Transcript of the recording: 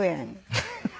ハハハハ！